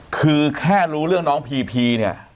คือแค่รู้เรื่องน้องพีพีเนี่ย